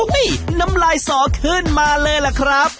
น้ำลายสอขึ้นมาเลยล่ะครับ